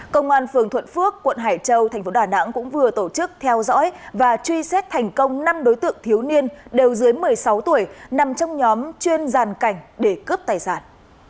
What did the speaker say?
công an phường thuận phước quận hải châu thành phố đà nẵng cũng vừa tổ chức theo dõi và truy xét thành công năm đối tượng thiếu niên đều dưới một mươi sáu tuổi nằm trong nhóm chuyên giàn cảnh để cướp tài sản